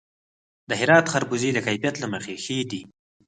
د هرات خربوزې د کیفیت له مخې ښې دي.